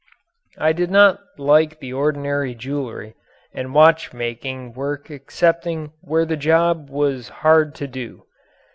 I did not like the ordinary jewelry and watch making work excepting where the job was hard to do.